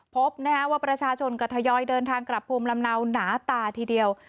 พบว่าประชาชนก็ทยอยเดินทางกลับภูมิลำเนาหนาตาทีเดียว